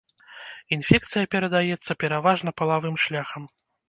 Інфекцыя перадаецца пераважна палавым шляхам.